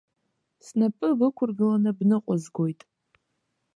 Снапы бықәыргыланы бныҟәызгоит.